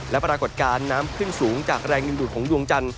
และปรากฏการณ์น้ำขึ้นสูงจากแรงดึงดูดของดวงจันทร์